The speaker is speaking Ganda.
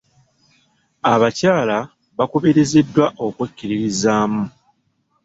Abakyala baakubiriziddwa okwekkiririzaamu.